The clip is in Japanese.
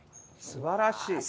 すばらしい。